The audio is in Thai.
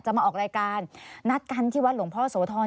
มาออกรายการนัดกันที่วัดหลวงพ่อโสธร